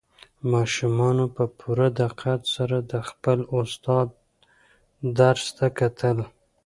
ماشومانو په پوره دقت سره د خپل استاد درس ته کتل.